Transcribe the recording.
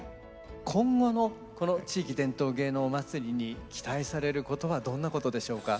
今後のこの「地域伝統芸能まつり」に期待されることはどんなことでしょうか？